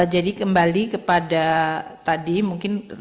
jadi kembali kepada tadi mungkin